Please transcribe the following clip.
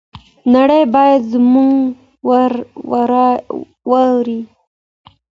نړۍ بايد موږ واوري.